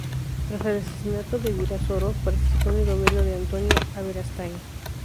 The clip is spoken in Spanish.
Tras el asesinato de Virasoro participó en el gobierno de Antonino Aberastain.